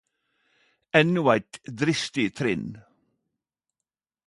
Enno eit dristig trinn